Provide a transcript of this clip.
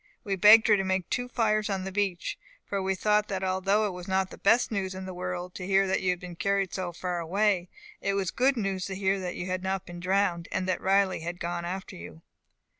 We begged her to make two fires on the beach; for we thought that although it was not the best news in the world to hear that you had been carried so far away, it was good news to hear that you had not been drowned, and that Riley had gone after you.